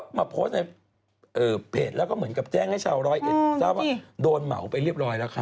มาโพสต์ในเพจแล้วก็เหมือนกับแจ้งให้ชาวร้อยเอ็ดทราบว่าโดนเหมาไปเรียบร้อยแล้วค่ะ